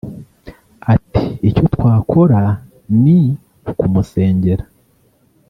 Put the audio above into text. Ati ‘Icyo twakora ni ukumusengera